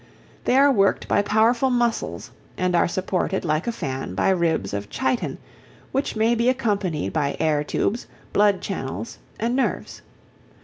They are worked by powerful muscles, and are supported, like a fan, by ribs of chitin, which may be accompanied by air tubes, blood channels, and nerves.